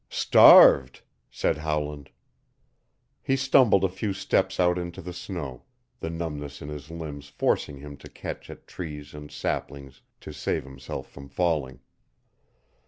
"Starved!" said Howland. He stumbled a few steps out into the snow, the numbness in his limbs forcing him to catch at trees and saplings to save himself from falling.